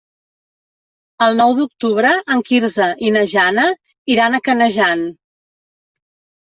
El nou d'octubre en Quirze i na Jana iran a Canejan.